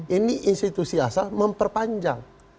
ini institusi asal memperpanjang